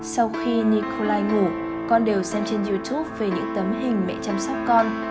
sau khi nikolai ngủ con đều xem trên youtube về những tấm hình mẹ chăm sóc con